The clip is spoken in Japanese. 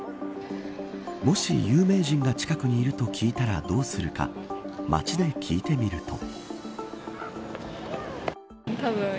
もし有名人が近くにいると聞いたらどうするか、街で聞いてみると。